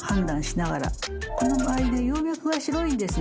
この場合ね葉脈は白いんですね。